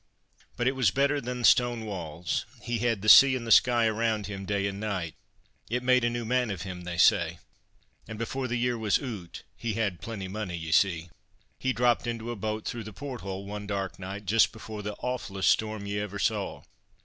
But it was better than stone walls. He had the sea and the sky around him day and night. It made a new man of him, they say. And before the year was oot (he had plenty money, ye see), he dropped into a boat through the port hole, one dark night, just before the awfullest storm ye ever saw.